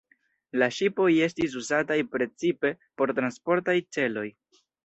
La ŝipoj estis uzataj precipe por transportaj celoj.